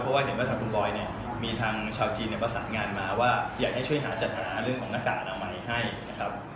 เพราะว่าเห็นว่าทางคุณบอยเนี่ยมีทางชาวจีนประสานงานมาว่าอยากให้ช่วยหาจัดหาเรื่องของหน้ากากอนามัยให้นะครับ